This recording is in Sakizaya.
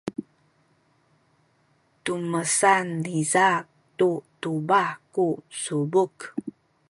tumesan niza tu tubah ku subuk.